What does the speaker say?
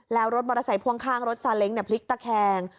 แล้วรถมอเตอร์ไซค์พ่วงข้างรถซาเล้งพลิกตะแคง